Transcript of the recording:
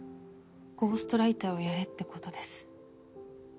ゴーストライターをやれって事です。